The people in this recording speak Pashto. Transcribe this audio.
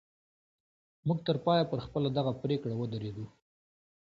موږ تر پایه پر خپله دغه پرېکړه ودرېدو